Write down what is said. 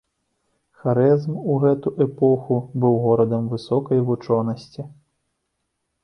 Харэзм у гэту эпоху быў горадам высокай вучонасці.